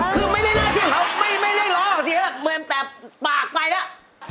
คือไม่ได้น่าเที่ยวเขาไม่ได้ร้องหรอกสิแต่ปากไปแล้ว